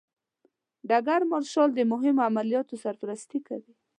ډګر مارشال د مهمو عملیاتو سرپرستي کوي.